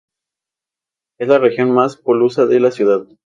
Es la región más populosa de la ciudad.